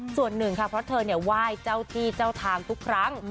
ส่วนหนึ่งค่ะเพราะเธอไหว้เจ้าที่เจ้าทางทุกครั้ง